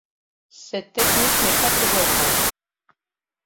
Cette technique n'est pas toujours vrai.